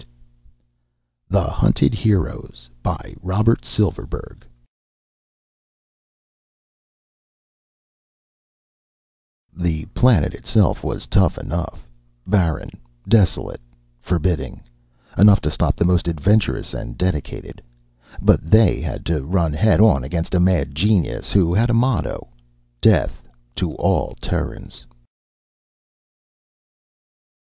net THE HUNTED HEROES By ROBERT SILVERBERG _The planet itself was tough enough barren, desolate, forbidding; enough to stop the most adventurous and dedicated. But they had to run head on against a mad genius who had a motto:_ _Death to all Terrans!